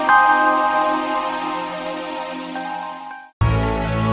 apa place yang jadi